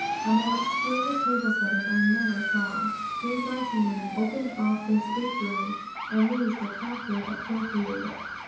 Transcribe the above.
A more exquisite table setting I never saw. Three dressing rooms opened off this big room, and these we promptly appropriated.